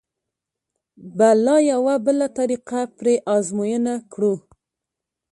به لا یوه بله طریقه پرې ازموینه کړو.